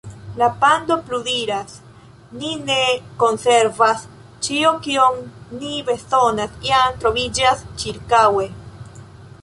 La pando pludiras: "Ni ne konservas. Ĉio, kion ni bezonas jam troviĝas ĉirkaŭe."